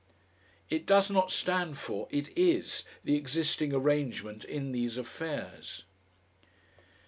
It does not stand for, it IS, the existing arrangement in these affairs.